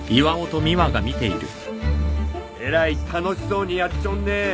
えらい楽しそうにやっちょんね。